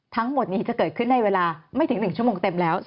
ทั้งหมดนี้จะเกิดขึ้นในเวลาไม่ถึง๑ชั่วโมงเต็มแล้ว